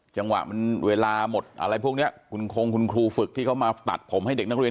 จังหวะมันเวลาหมดอะไรพวกนี้คุณคงคุณครูฝึกที่เขามาตัดผมให้เด็กนักเรียน